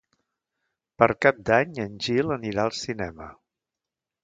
Per Cap d'Any en Gil anirà al cinema.